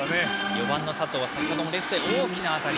４番の佐藤は先程もレフトへの大きな当たり。